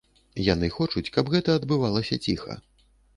Яны хочуць, каб гэта адбывалася ціха.